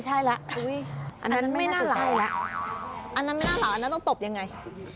อันนั้นไม่น่าร้าอันนั้นต้องตบยังไง